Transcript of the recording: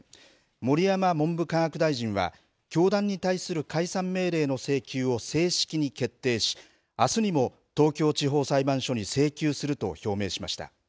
盛山文部科学大臣は教団に対する解散命令の請求を正式に決定しあすにも東京地方裁判所に請求すると表明しました。